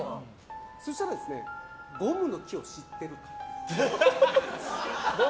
そしたらゴムの木を知ってるか。